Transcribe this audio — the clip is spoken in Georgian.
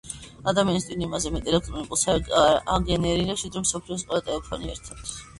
ადამიანის ტვინი იმაზე მეტ ელექტრულ იმპულსს აგენერირებს, ვიდრე მსოფლიოს ყველა ტელეფონი ერთად.